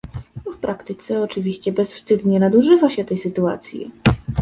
W praktyce oczywiście bezwstydnie nadużywa się tej sytuacji